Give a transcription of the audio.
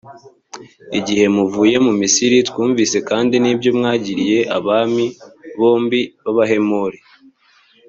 igihe muvuye mu misiri, twumvise kandi n’ibyo mwagiriye abami bombi b’abahemori